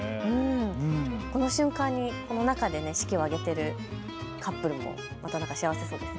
この瞬間にこの中で式を挙げているカップルもまた幸せそうですね。